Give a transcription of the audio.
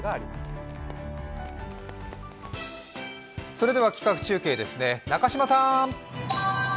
それでは企画中継ですね中島さん！